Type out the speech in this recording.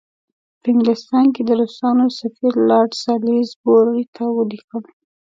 په انګلستان کې د روسانو سفیر لارډ سالیزبوري ته ولیکل.